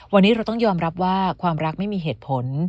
วันนี้เราต้องยอมรับว่าความรักไม่มีเหตุผล